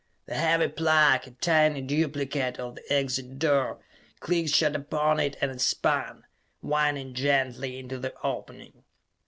The heavy plug, a tiny duplicate of the exit door, clicked shut upon it and spun, whining gently, into the opening.